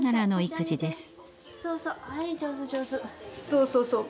そうそうそう。